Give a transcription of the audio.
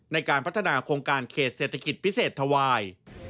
ในการพัฒนาโครงการเขตเศรษฐกิจพิเศษถวาย